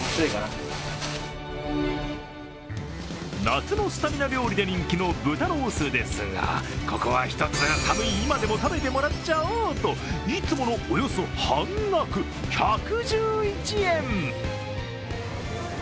夏のスタミナ料理で人気の豚ロースですがここはひとつ、寒い今でも食べてもらっちゃおうといつものおよそ半額、１１１円！